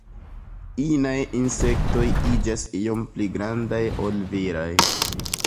Inaj insektoj iĝas iom pli grandaj ol viraj.